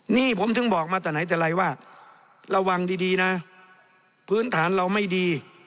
นี่ผมถึงบอกมาแต่ไหนแต่ไรว่าระวังดีนะพื้นฐานเราไม่ดี